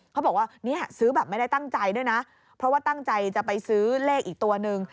เขาบอกว่าเนี่ยซื้อแบบไม่ได้ตั้งใจด้วยนะเพราะว่าตั้งใจจะไปซื้อเลขอีกตัวนึง